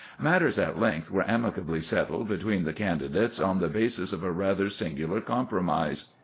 Matters at length were amicably settled between the candidates on the basis of a rather singular compromise.